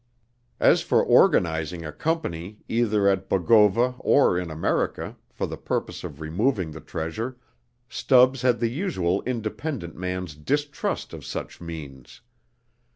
As for organizing a company either at Bogova or in America for the purpose of removing the treasure, Stubbs had the usual independent man's distrust of such means.